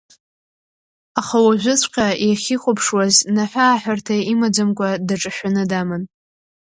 Аха уажәыҵәҟьа иахьихәаԥшуаз наҳәы-ааҳәырҭа имаӡамкәа даҿашәаны даман.